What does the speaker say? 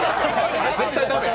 絶対駄目よ。